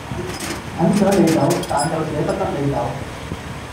很想你走，但又捨不得你走